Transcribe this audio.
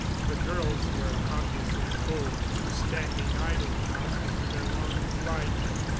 The girls were obviously cold, standing idle now after their long flight.